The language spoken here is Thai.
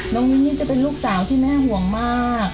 น้องมินนี่จะเป็นลูกสาวที่แม่ห่วงมาก